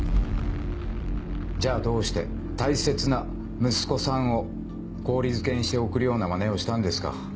じゃあどうして大切な息子さんを氷漬けにして送るようなまねをしたんですか？